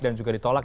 dan juga ditolak